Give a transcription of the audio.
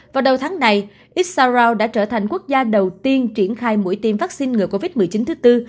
vào đầu tháng này issaro đã trở thành quốc gia đầu tiên triển khai mũi tiêm vaccine ngừa covid một mươi chín thứ tư